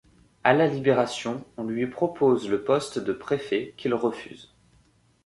À la Libération, on lui propose le poste de préfet qu'il refuse.